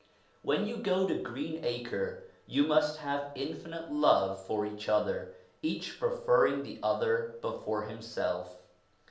When you go to Green Acre you must have infinite love for each other, each preferring the other before himself.